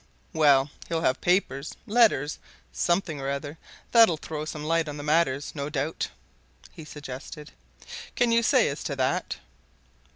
"Well, he'll have papers, letters, something or other that'll throw some light on matters, no doubt?" he suggested. "Can you say as to that?"